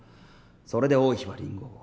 それで王妃はリンゴを。